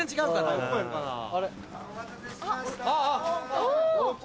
お！